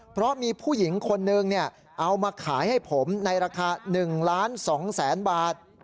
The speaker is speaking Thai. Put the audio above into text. เพราะมีผู้หญิงคนนึงเอามาขายให้ผมในราคา๑ล้าน๒แสนบาท